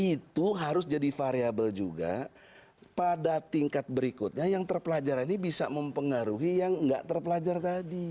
itu harus jadi variable juga pada tingkat berikutnya yang terpelajar ini bisa mempengaruhi yang nggak terpelajar tadi